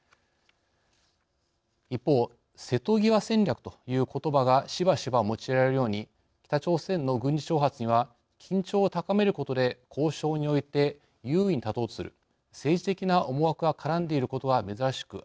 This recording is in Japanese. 一方瀬戸際戦略ということばがしばしば用いられるように北朝鮮の軍事挑発には緊張を高めることで交渉において優位に立とうとする政治的な思惑が絡んでいることが珍しくありません。